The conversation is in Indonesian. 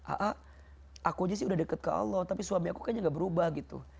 aa aku aja sih udah deket ke allah tapi suami aku kayaknya gak berubah gitu